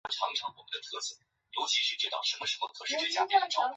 而北韩方面越境对其进行枪击的行为被指违反朝鲜战争停战协定。